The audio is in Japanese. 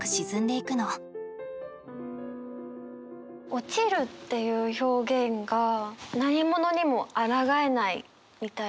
「落ちる」っていう表現が何者にもあらがえないみたいな。